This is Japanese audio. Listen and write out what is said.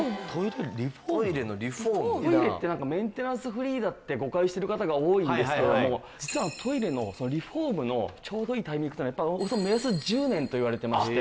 トイレってなんかメンテナンスフリーだって誤解してる方が多いんですけども実はトイレのリフォームのちょうどいいタイミングというのはやっぱりおよそ１０年といわれてまして。